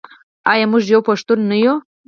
آیا موږ یو پښتون نه یو؟